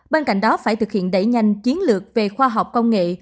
bên cạnh đó phải thực hiện đẩy nhanh chiến lược về khoa học công nghệ